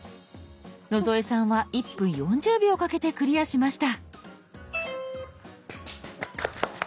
野添さんは１分４０秒かけてクリアしました。